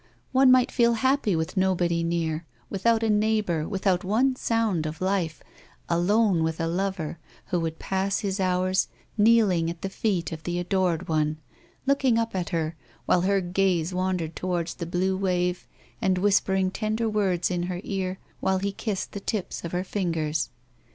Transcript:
One might feel happy with nobody near, without a neighbor, without one sound of life, alone with a lover, who would pass his hours kneeling at the feet of the adored one, looking up at her, while her gaze wandered toward the blue wave, and whispering tender words in her ear, while he kissed the tips of her fingers.